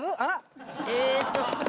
えっと。